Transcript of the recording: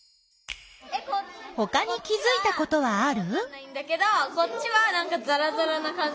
ほかに気づいたことはある？